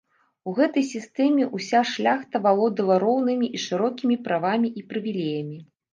У гэтай сістэме ўся шляхта валодала роўнымі і шырокімі правамі і прывілеямі.